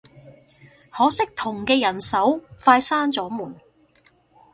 可惜同嘅人手快閂咗門